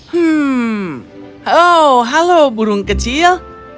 hmm oh halo burung kecil